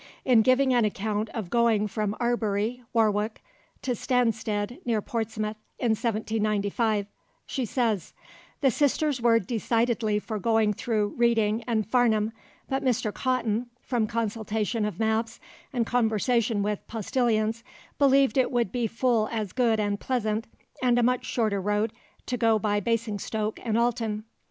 In giving an account of going from Arbury (Warwick) to Stanstead near Portsmouth in 1795, she says: "The sisters were decidedly for going through Reading and Farnham, but Mr. Cotton, from consultation of maps and conversation with postillions, believed it would be full as good and pleasant and a much shorter road to go by Basingstoke and Alton.